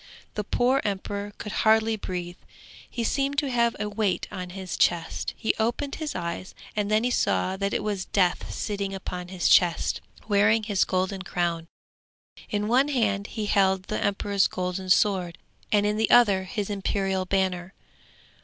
The poor emperor could hardly breathe, he seemed to have a weight on his chest, he opened his eyes, and then he saw that it was Death sitting upon his chest, wearing his golden crown. In one hand he held the emperor's golden sword, and in the other his imperial banner.